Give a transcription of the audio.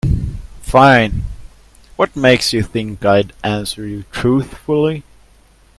Fine, what makes you think I'd answer you truthfully?